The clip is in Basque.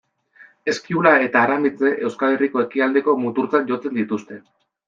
Eskiula eta Aramitse, Euskal Herriko ekialdeko muturtzat jotzen dituzte.